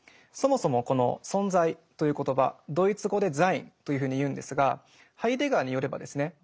そもそもこの存在という言葉ドイツ語で「ザイン」というふうに言うんですがハイデガーによればですね